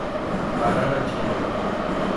Paranatinga